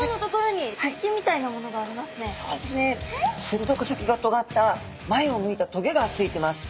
するどく先がとがった前を向いた棘がついてます。